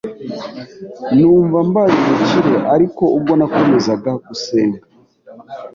numva mbaye umukire ariko ubwo nakomezaga gusenga